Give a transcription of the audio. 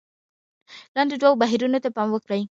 لاندې دوو بهیرونو ته پام وکړئ: